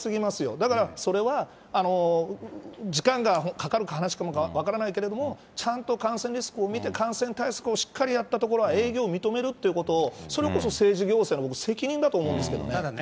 だからそれは、時間がかかる話かも分からないけれども、ちゃんと感染リスクを見て、感染対策をしっかりやったところは営業認めるということを、それこそ政治行政の責任だと思うんですけどね。